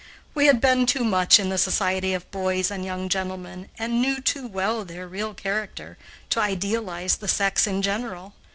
We had been too much in the society of boys and young gentlemen, and knew too well their real character, to idealize the sex in general.